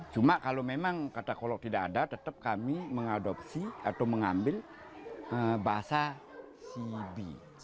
cuma kalau memang kata kolok tidak ada tetap kami mengadopsi atau mengambil bahasa cb